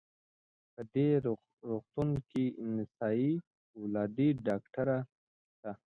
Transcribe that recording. په دې روغتون کې نسایي ولادي ډاکټره شته؟